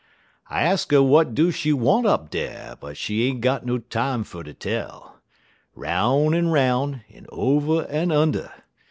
I ax 'er w'at do she want up dar, but she ain't got no time fer ter tell; 'roun' en 'roun', en over en under.